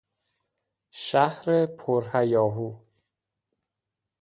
شهر پر هیاهو